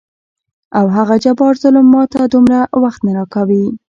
او هغه جبار ظلم ماته دومره وخت نه راکوي.